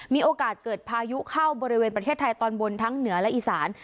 มีโอกาสเกิดพายุเข้าบริเวณประเทศไทยตอนบนทั้งเหนือและอีสาน